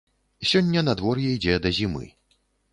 Сёння надвор'е ідзе да зімы.